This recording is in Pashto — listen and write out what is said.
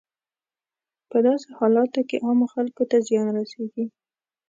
په داسې حالاتو کې عامو خلکو ته زیان رسیږي.